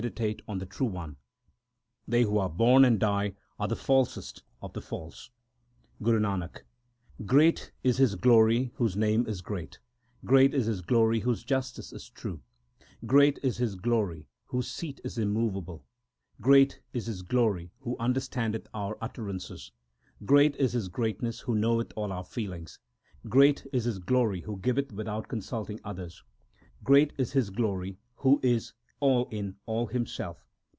4 Kach is here used as the correlative of sack, true. 220 THE SIKH RELIGION Guru Nanak l Great is His glory whose name is great ; Great is His glory whose justice is true ; Great is His glory whose seat is immovable ; Great is His glory who understandeth our utterances ; Great is His greatness who knoweth all our feelings ; Great is His glory who giveth without consulting others ; Great is His glory who is all in all Himself.